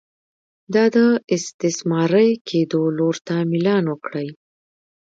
دا د استثماري کېدو لور ته میلان وکړي.